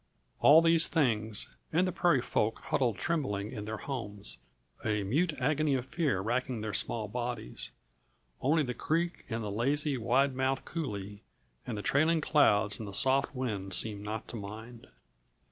All these things, and the prairie folk huddled trembling in their homes, a mute agony of fear racking their small bodies. Only the creek and the lazy, wide mouthed coulee and the trailing clouds and the soft wind seemed not to mind.